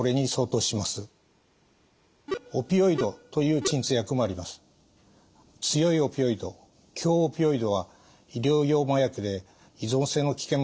強いオピオイド強オピオイドは医療用麻薬で依存性の危険もあるんです。